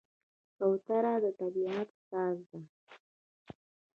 کوتره د طبیعت ساز ده.